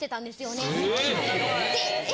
え！